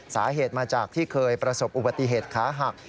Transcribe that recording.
สาเหตุมาจากที่เคยประสบอุบัติเหตุขาหัก